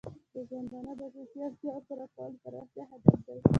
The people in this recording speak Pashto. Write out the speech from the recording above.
د ژوندانه د اساسي اړتیاو پوره کول د پرمختیا هدف دی.